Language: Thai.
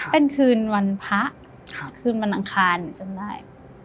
เป็นคืนวันพระคืนวันอังคารหนูจำได้